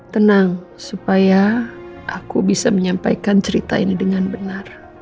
tenang supaya aku bisa menyampaikan cerita ini dengan benar